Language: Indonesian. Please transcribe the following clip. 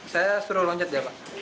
saya suruh lonjat ya pak